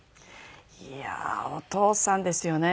いやーお父さんですよね。